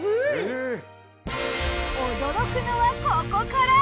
驚くのはここから。